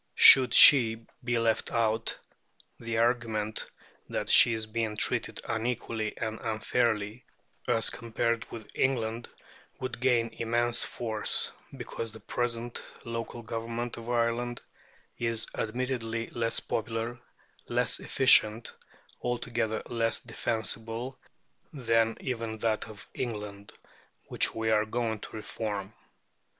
Should she be left out, the argument that she is being treated unequally and unfairly, as compared with England, would gain immense force; because the present local government of Ireland is admittedly less popular, less efficient, altogether less defensible, than even that of England which we are going to reform.